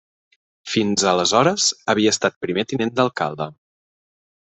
Fins aleshores havia estat primer tinent d'alcalde.